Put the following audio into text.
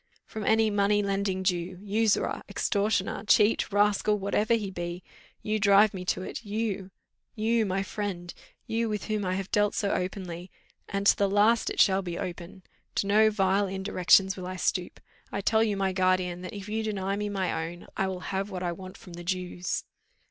"From any money lending Jew usurer extortioner cheat rascal whatever he be. You drive me to it you you my friend you, with whom I have dealt so openly; and to the last it shall be open. To no vile indirections will I stoop. I tell you, my guardian, that if you deny me my own, I will have what I want from the Jews."